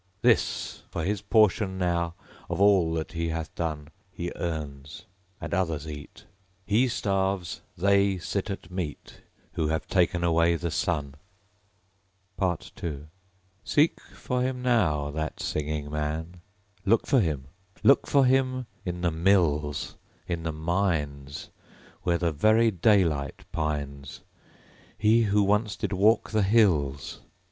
This, for his portion now, of all that he hath done. He earns; and others eat. He starves; they sit at meat Who have taken away the Sun._ II Seek him now, that singing Man. Look for him, Look for him In the mills, In the mines; Where the very daylight pines, He, who once did walk the hills!